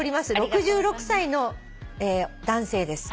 ６６歳の男性です」